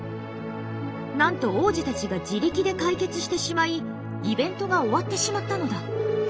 なんと皇子たちが自力で解決してしまいイベントが終わってしまったのだ。